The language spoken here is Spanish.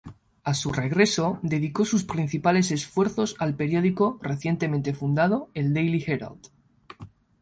A su regreso, dedicó sus principales esfuerzos al periódico recientemente fundado, el Daily Herald.